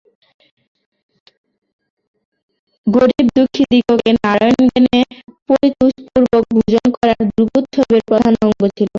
গরীব-দুঃখীদিগকে নারায়ণজ্ঞানে পরিতোষপূর্বক ভোজন করান দুর্গোৎসবের অন্যতম প্রধান অঙ্গ ছিল।